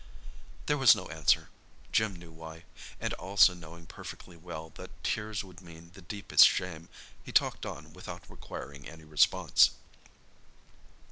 There was no answer. Jim knew why—and also knowing perfectly well that tears would mean the deepest shame, he talked on without requiring any response.